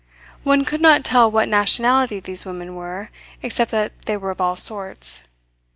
One could not tell what nationality these women were, except that they were of all sorts.